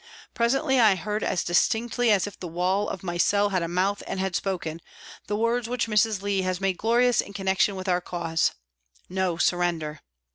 Presently I heard, as distinctly as if the wall of my cell had a mouth and had spoken, the words which Mrs. Leigh has made glorious in connection with our cause :" No surrender."